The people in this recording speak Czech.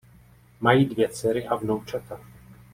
Mají dvě dcery a vnoučata.